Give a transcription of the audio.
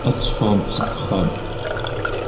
Ad teffɣemt seg uxxam.